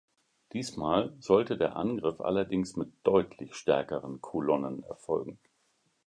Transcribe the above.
Diesmal sollte der Angriff allerdings mit deutlich stärkeren Kolonnen erfolgen.